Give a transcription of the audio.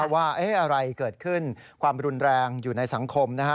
ว่าอะไรเกิดขึ้นความรุนแรงอยู่ในสังคมนะฮะ